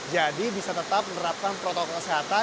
bisa tetap menerapkan protokol kesehatan